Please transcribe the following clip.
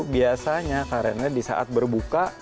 biasanya karena di saat berbuka